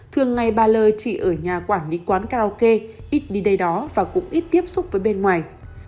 thường ngày bà lơ chỉ ở nhà quản lý quán karaoke ít đi đây đó và cũng ít tiếp xúc với bên ngoài